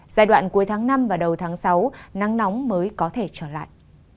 giai đoạn cuối tháng năm và đầu tháng sáu nắng nóng mới có thể trở lại